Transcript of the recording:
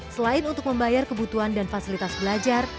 selain untuk membayar kebutuhan dan fasilitas belajar